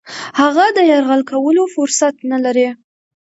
هغه د یرغل کولو فرصت نه لري.